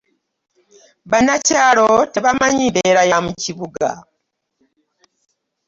Bannakyalo tebamanyi mbeera ya mu kibuga.